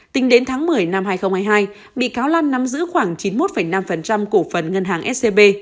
tính đến tháng một mươi năm hai nghìn hai mươi hai bị cáo lan nắm giữ khoảng chín mươi một năm cổ phần ngân hàng scb